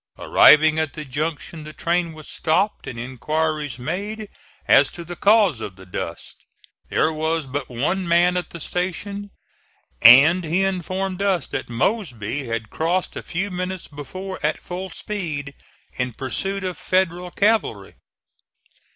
Arriving at the junction the train was stopped and inquiries made as to the cause of the dust. There was but one man at the station, and he informed us that Mosby had crossed a few minutes before at full speed in pursuit of Federal cavalry.